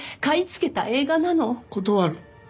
断る。